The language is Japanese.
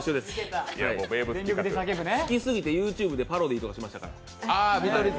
好きすぎてＹｏｕＴｕｂｅでパロディーとかしましたから。